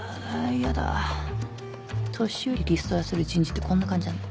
嫌だ年寄りリストラする人事ってこんな感じなんだ